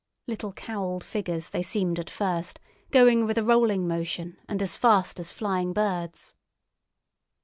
Little cowled figures they seemed at first, going with a rolling motion and as fast as flying birds.